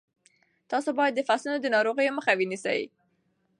تاسو باید د فصلونو د ناروغیو مخه ونیسئ.